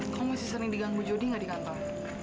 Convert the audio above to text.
kamu masih sering diganggu jodoh ga di kantor